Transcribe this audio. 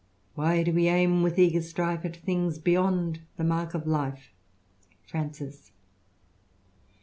Why do we aim, with eager strife. At things beyond the mark of life ?'* Francis.